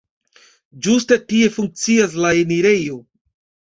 Ĝuste tie funkcias la enirejo.